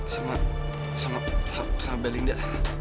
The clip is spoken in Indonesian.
sama sama belinda